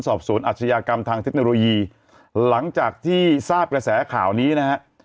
สอบสวนอาชญากรรมทางเทคโนโลยีหลังจากที่ทราบกระแสข่าวนี้นะฮะ